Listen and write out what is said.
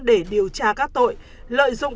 để điều tra các tội lợi dụng